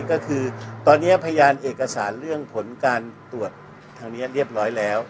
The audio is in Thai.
ก็คือตอนนี้พยานเอกสารเรื่องผลการตรวจทางนี้เรียบร้อยแล้ว